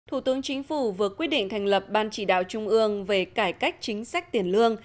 thủ tướng chính phủ vừa quyết định thành lập ban chỉ đạo trung ương về cải cách chính sách tiền lương